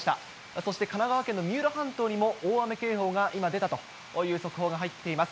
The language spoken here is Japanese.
そして神奈川県の三浦半島にも大雨警報が今出たという速報が入っています。